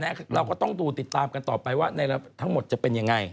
เราก็ต้องดูติดตามกันต่อไปว่าในทั้งหมดจะเป็นยังไง